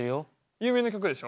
有名な曲でしょ？